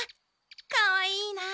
かわいいな！